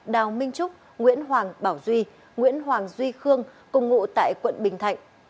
đào minh trúc nguyễn hoàng bảo duy nguyễn hoàng duy khương cùng ngụ tại quận bình thạnh